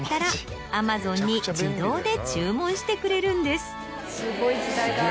・すごい時代だ。